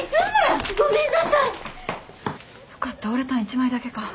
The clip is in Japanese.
よかった折れたん１枚だけか。